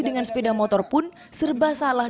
dengan sepeda motor pun serba salah